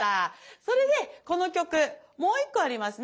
それでこの曲もう１個ありますね。